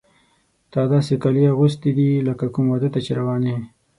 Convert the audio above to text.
تا داسې کالي اغوستي دي لکه کوم واده ته چې روانه یې.